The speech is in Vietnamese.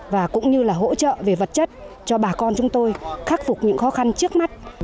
và cũng như là hỗ trợ về vật chất cho bà con chúng tôi khắc phục những khó khăn trước mắt